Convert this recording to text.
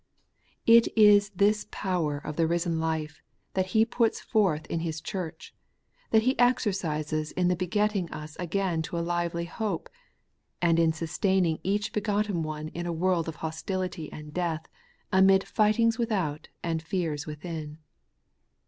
It is this power of the risen life that He puts forth in His Church, — ^that He exercises in the begetting us again to a lively hope, and in sustaining each be gotten one in a world of hostility and death, amid fightings without and fears within.